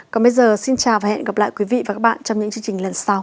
còn bây giờ xin chào và hẹn gặp lại quý vị và các bạn trong những chương trình lần sau